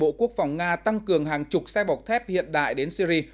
bộ quốc phòng nga tăng cường hàng chục xe bọc thép hiện đại đến syri